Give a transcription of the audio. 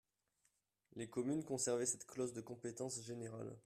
Les communes conservaient cette clause de compétence générale.